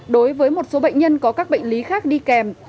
đối với một số bệnh nhân có các bệnh lý khác đi kèm